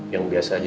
yang biasa aja